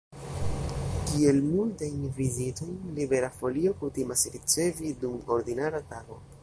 Kiel multajn vizitojn Libera Folio kutimas ricevi dum ordinara tago?